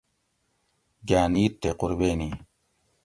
گاۤن عید تے قُربینی